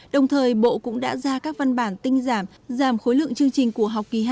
đồng thời bộ cũng đã ra các văn bản tinh giảm giảm khối lượng chương trình của học kỳ hai